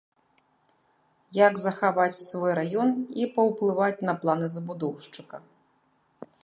Як захаваць свой раён і паўплываць на планы забудоўшчыка.